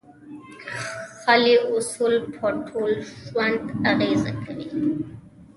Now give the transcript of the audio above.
خیالي اصول په ټول ژوند اغېزه کوي.